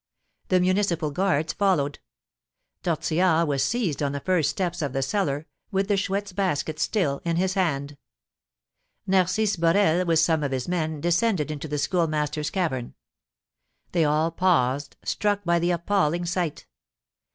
The Municipal Guards followed. Tortillard was seized on the first steps of the cellar, with the Chouette's basket still in his hand. Narcisse Borel, with some of his men, descended into the Schoolmaster's cavern. They all paused, struck by the appalling sight.